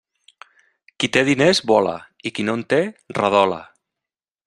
Qui té diners vola i qui no en té redola.